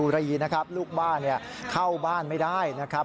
รูปบ้านเข้าบ้านไม่ได้นะครับ